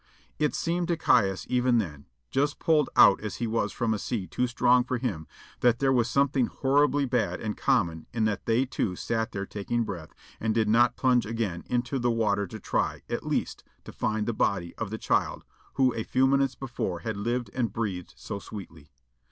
It seemed to Caius even then, just pulled out as he was from a sea too strong for him, that there was something horribly bad and common in that they two sat there taking breath, and did not plunge again into the water to try, at least, to find the body of the child who a few minutes before had lived and breathed so sweetly.